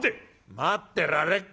「待ってられっか。